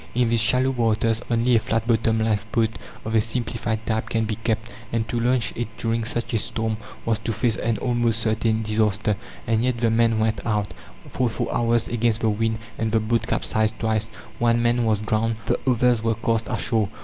In these shallow waters only a flat bottomed lifeboat of a simplified type can be kept, and to launch it during such a storm was to face an almost certain disaster. And yet the men went out, fought for hours against the wind, and the boat capsized twice. One man was drowned, the others were cast ashore.